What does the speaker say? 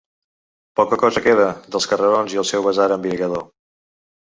Poca cosa queda dels carrerons i el seu basar embriagador.